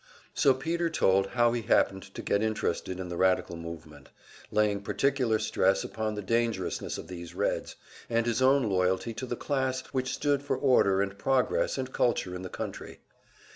So Peter told how he had happened to get interested in the radical movement, laying particular stress upon the dangerousness of these Reds, and his own loyalty to the class which stood for order and progress and culture in the country.